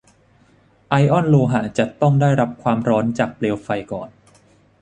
ไอออนโลหะจะต้องได้รับความร้อนจากเปลวไฟก่อน